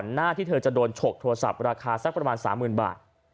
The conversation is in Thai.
หน้าที่เธอจะโดนฉกโทรศัพท์ราคาสักประมาณ๓๐๐๐บาท